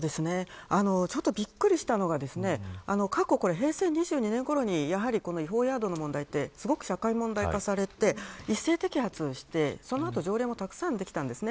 びっくりしたのが、過去平成２２年ごろに違法ヤードの問題はすごく社会問題化されて一斉摘発されてそのあと条例もたくさんできました。